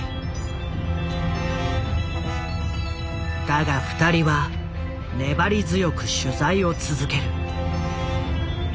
だが２人は粘り強く取材を続ける。